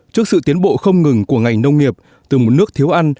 trước sự tiến bộ không ngừng của ngành nông nghiệp từ một nước thiếu ăn